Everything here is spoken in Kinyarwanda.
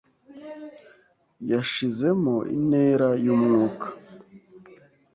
Yashizemo intera y’umwuka.